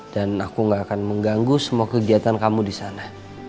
dan aku gak akan mengganggu semua kegiatan kamu disana